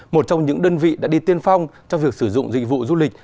một trong những đơn vị đã đi tiên phong trong việc sử dụng dịch vụ du lịch